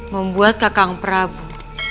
membuat kakang prabu